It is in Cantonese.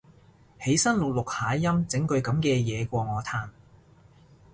起身錄錄下音整句噉嘅嘢過我嘆